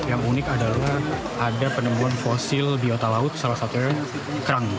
yang unik adalah ada penemuan fosil biota laut salah satunya kerang